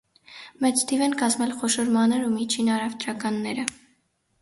Մեծ թիվ են կազմել խոշոր, մանր ու միջին առևտրականները։